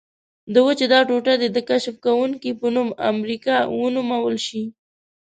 د وچې دا ټوټه دې د کشف کوونکي په نوم امریکا ونومول شي.